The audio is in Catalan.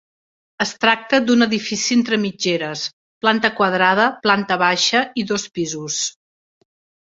Es tracta d'un edifici entre mitgeres, planta quadrada, planta baixa i dos pisos.